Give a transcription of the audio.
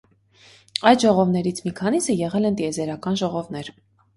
Այդ ժողովներից մի քանիսը եղել են տիեզերական ժողովներ։